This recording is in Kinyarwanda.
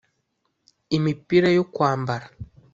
imipira yo kwambara